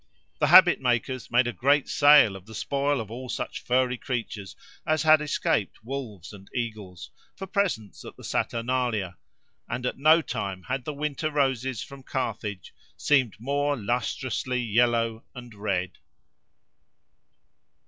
The habit makers made a great sale of the spoil of all such furry creatures as had escaped wolves and eagles, for presents at the Saturnalia; and at no time had the winter roses from Carthage seemed more lustrously yellow and red.